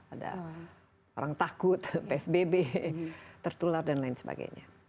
ada orang takut psbb tertular dan lain sebagainya